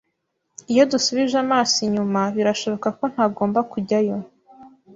Iyo dusubije amaso inyuma, birashoboka ko ntagomba kujyayo.